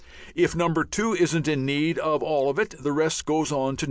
If 2 isn't in need of all of it, the rest goes on to 3.